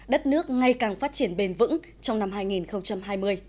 đất nước ngay càng phát triển bền vững trong năm hai nghìn hai mươi